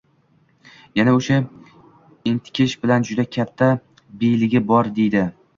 yana o’sha entikish bilan “Juda katta biyligi bor!” deydi.